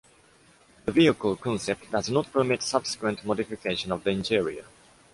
The vehicle concept does not permit subsequent modification of the interior.